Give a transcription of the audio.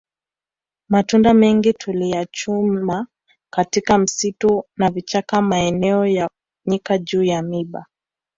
Matunda mengi tuliyachuma katika msitu na vichaka maeneo ya nyika juu ya miiba